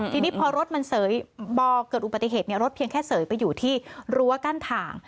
ทีนี้พอรถมันเสยพอเกิดอุบัติเหตุรถเพียงแค่เสยไปอยู่ที่รั้วกั้นถ่าง